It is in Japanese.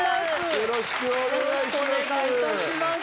よろしくお願いします